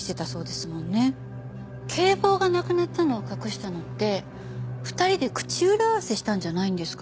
警棒がなくなったのを隠したのって２人で口裏合わせしたんじゃないんですか？